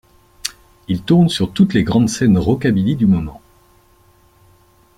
Ils tournent sur toutes les grandes scènes rockabilly du moment.